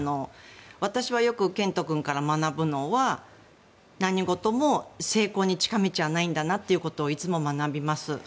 私はよく、健人君から学ぶのは何事も成功に近道はないんだなということをいつも学びます。